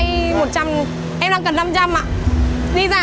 em cảm ơn nhé